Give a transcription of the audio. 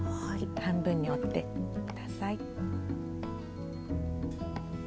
半分に折って下さい。